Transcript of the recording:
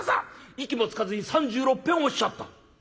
息もつかずに３６ぺんおっしゃった」。